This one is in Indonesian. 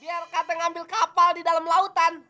biar kata ngambil kapal di dalam lautan